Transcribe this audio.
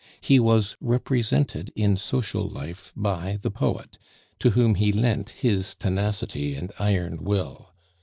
He was represented in social life by the poet, to whom he lent his tenacity and iron will.